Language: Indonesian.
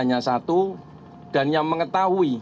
hanya satu dan yang mengetahui